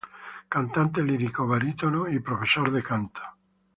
Cantante lírico barítono y profesor de canto.